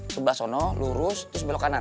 sebelah sana lurus terus belok kanan